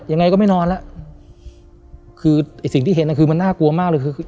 ยังไงก็ไม่นอนแล้วคือไอ้สิ่งที่เห็นน่ะคือมันน่ากลัวมากเลยคือคือ